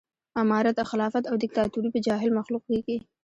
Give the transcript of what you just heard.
امارت خلافت او ديکتاتوري به جاهل مخلوق کېږي